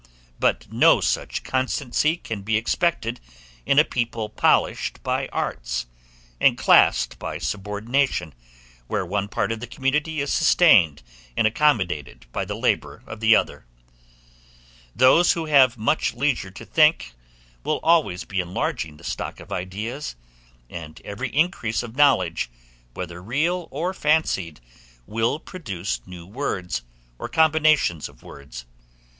But no such constancy can be expected in a people polished by arts, and classed by subordination, where one part of the community is sustained and accommodated by the labor of the other. Those who have much leisure to think, will always be enlarging the stock of ideas; and every increase of knowledge, whether real or fancied, will produce new words, or combination of words.